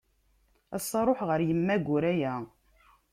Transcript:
Ass-a ruḥeɣ ɣer Yemma Guraya.